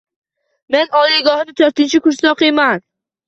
Men oliygohning to'rtinchi kursida o’qiyman.